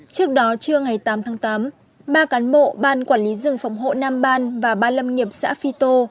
trước đó trưa ngày tám tháng tám ba cán bộ ban quản lý rừng phòng hộ nam ban và ban lâm nghiệp xã phi tô